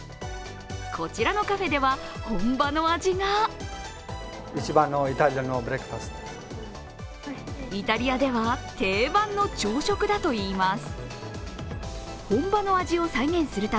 こちらのカフェでは、本場の味がイタリアでは定番の朝食だといいます。